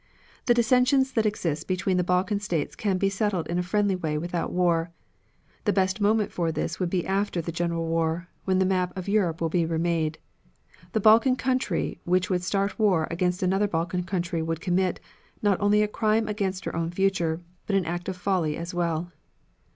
"The dissensions that exist between the Balkan States can be settled in a friendly way without war. The best moment for this would be after the general war, when the map of Europe will be remade. The Balkan country which would start war against another Balkan country would commit, not only a crime against her own future, but an act of folly as well.